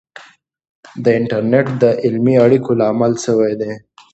د انټرنیټ د علمي اړیکو لامل سوی دی.